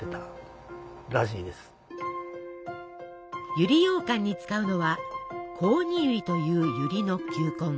百合ようかんに使うのは「コオニユリ」というゆりの球根。